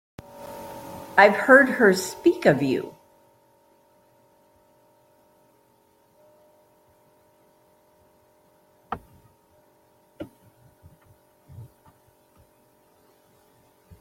I've heard her speak of you.